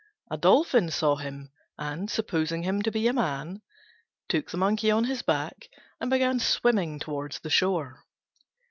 A Dolphin saw him, and, supposing him to be a man, took him on his back and began swimming towards the shore.